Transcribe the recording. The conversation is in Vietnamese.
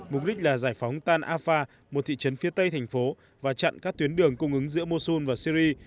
mục đích là giải phóng tan afa một thị trấn phía tây thành phố và chặn các tuyến đường cung ứng giữa mosun và syri